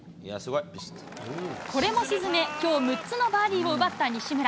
これも沈め、きょう６つのバーディーを奪った西村。